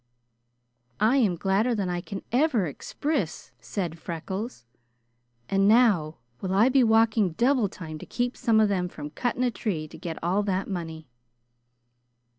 "I am gladder than I can ever expriss," said Freckles. "And now will I be walking double time to keep some of them from cutting a tree to get all that money!"